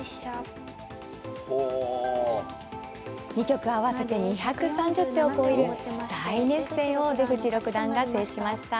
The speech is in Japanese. ２局合わせて２３０手を超える大熱戦を出口六段が制しました。